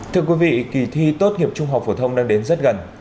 thưa quý vị kỳ thi tốt nghiệp trung học phổ thông đang đến rất gần